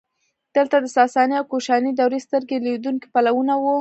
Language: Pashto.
دلته د ساساني او کوشاني دورې سترګې لیدونکي پلونه وو